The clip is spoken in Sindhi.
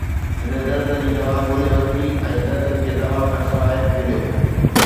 هن درد جي دوا ڳولي ورتي ۽ درد کي دوا کان سواءِ مليو